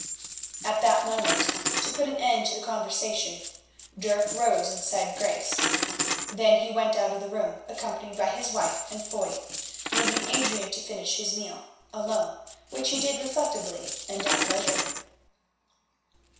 At that moment, to put an end to the conversation, Dirk rose and said grace. Then he went out of the room accompanied by his wife and Foy, leaving Adrian to finish his meal alone, which he did reflectively and at leisure.